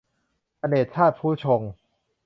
อเนกชาติภุชงค์